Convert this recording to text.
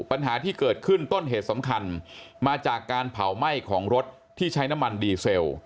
ปัญหาที่เกิดขึ้นต้นเหตุสำคัญมาจากการเผาไหม้ของรถที่ใช้น้ำมันดีเซล